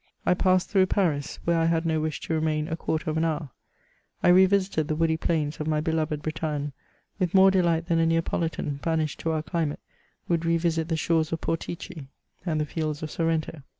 I passed through Paris, where I had no wish to remain a quarter of an hour. I re yinted the woody plains of my bcWed Bretagne with more delight than a Neapolitan, banished to our diimite^ would re vint the shores of Portici and the fields of Sorrento.